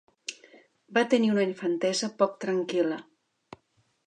Va tenir una infantesa poc tranquil·la.